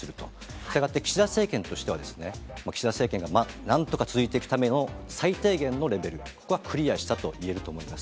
したがって、岸田政権としてはですね、岸田政権がなんとか続いていくための最低限のレベル、ここはクリアしたといえると思います。